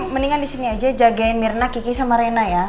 mendingan disini aja jagain mirna kiki sama rena ya